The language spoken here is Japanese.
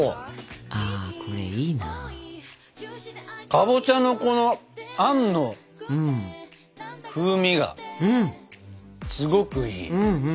かぼちゃのこのあんの風味がすごくいい。